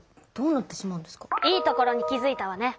いいところに気づいたわね。